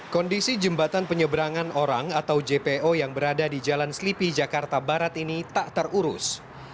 kondisi jembatan penyeberangan orang atau jpo yang berada di jalan selipi jakarta barat ini tak terurus